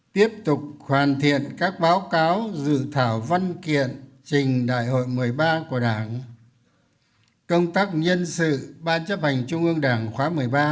tiếp tục hoàn thiện các báo cáo dự thảo văn kiện trình đại hội một mươi ba của đảng công tác nhân sự ban chấp hành trung ương đảng khóa một mươi ba